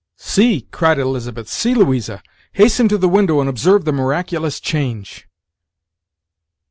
"See!" cried Elizabeth; "see, Louisa; hasten to the window, and observe the miraculous change!"